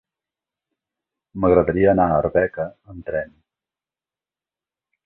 M'agradaria anar a Arbeca amb tren.